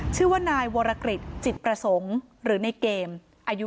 ชื่อว่านายวรกฤษจิตประสงค์หรือในเกมอายุ